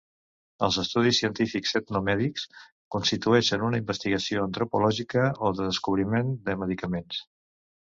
Els estudis científics etnomèdics constitueixen una investigació antropològica o de descobriment de medicaments.